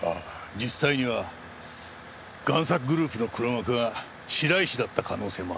実際には贋作グループの黒幕が白石だった可能性もある。